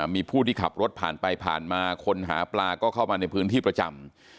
มีผู้ที่ขับรถผ่านไปผ่านมาคนหาปลาก็เข้ามาในพื้นที่ประจำ